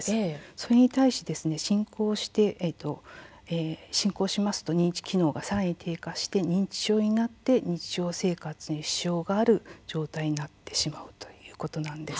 それに対して進行しますと認知機能がさらに低下して認知症になり、日常生活に支障がある状態になってしまうということです。